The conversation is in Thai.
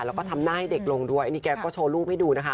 แล้วก็ทำหน้าให้เด็กลงด้วยอันนี้แกก็โชว์รูปให้ดูนะคะ